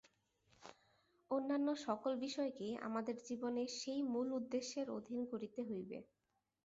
অন্যান্য সকল বিষয়কেই আমাদের জীবনের সেই মূল উদ্দেশ্যের অধীন করিতে হইবে।